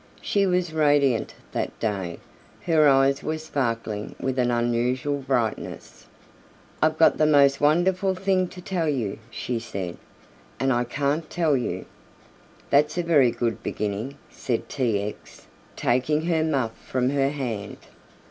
She was radiant that day. Her eyes were sparkling with an unusual brightness. "I've got the most wonderful thing to tell you," she said, "and I can't tell you." "That's a very good beginning," said T. X., taking her muff from her hand.